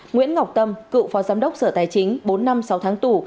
nguyễn ngọc tâm cựu phó giám đốc sở tài chính bốn năm sáu tháng tù